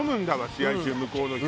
試合中向こうの人。